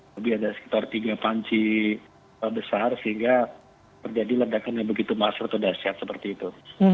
lebih ada sekitar tiga panci besar sehingga terjadi ledakan yang begitu masuk atau dasyat seperti itu